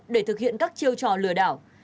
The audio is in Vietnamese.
để thực hiện các chiêu trò lừa đảo